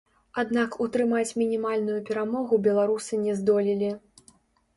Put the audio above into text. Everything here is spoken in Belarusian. Аднак утрымаць мінімальную перамогу беларусы не здолелі.